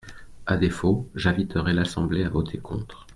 À défaut, j’inviterai l’Assemblée à voter contre.